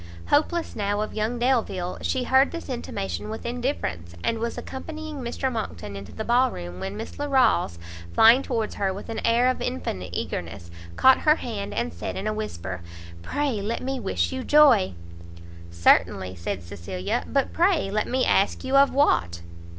Hopeless, now, of young Delvile, she heard this intimation with indifference; and was accompanying Mr Monckton into the ballroom, when Miss Larolles, flying towards her with an air of infinite eagerness, caught her hand, and said in a whisper "pray let me wish you joy!" "Certainly!" said Cecilia, "but pray let me ask you of what?"